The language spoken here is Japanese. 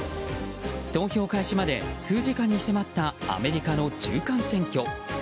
投票開始まで数時間に迫ったアメリカの中間選挙。